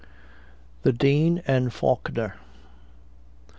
THE DEAN AND FAULKNER.